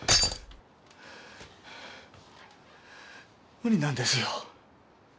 無理なんですよ。